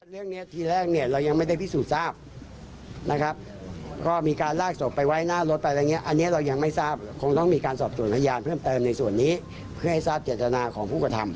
เรื่องนี้ทีแรกเนี่ยเรายังไม่ได้พิสูจน์ทราบนะครับก็มีการลากสมไปไว้หน้ารถไปอะไรอย่าง